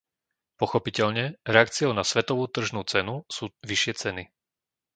Pochopiteľne, reakciou na svetovú tržnú cenu sú vyššie ceny.